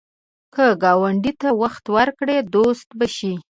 که ګاونډي ته وخت ورکړې، دوست به شي